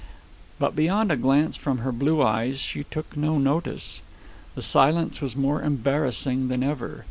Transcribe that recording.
But, beyond a glance from her blue eyes, she took no notice. The silence was more embarrassing than ever.